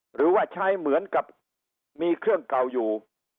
หรือว่าใช้เหมือนกับมีเครื่องเก่าอยู่